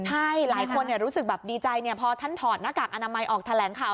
ใช่หลายคนรู้สึกแบบดีใจพอท่านถอดหน้ากากอนามัยออกแถลงข่าว